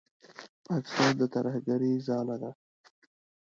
پاکستان د ترهګرۍ ځاله ده.